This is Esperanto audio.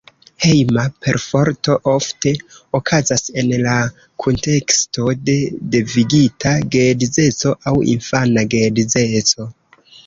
Hejma perforto ofte okazas en la kunteksto de devigita geedzeco aŭ infana geedzeco.